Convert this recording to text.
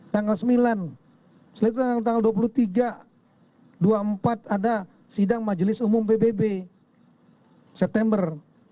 tanggal sembilan setelah itu tanggal dua puluh tiga dua puluh empat ada sidang majelis umum pbb september